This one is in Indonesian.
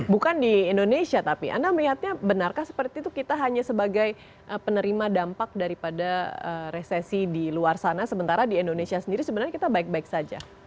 bukan di indonesia tapi anda melihatnya benarkah seperti itu kita hanya sebagai penerima dampak daripada resesi di luar sana sementara di indonesia sendiri sebenarnya kita baik baik saja